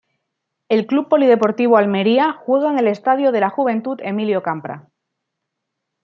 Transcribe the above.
El Club Polideportivo Almería juega en el Estadio de la Juventud Emilio Campra.